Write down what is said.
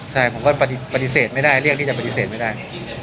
ใช่ผมก็ปฏิเสธไม่ได้เรียกที่จะปฏิเสธไม่ได้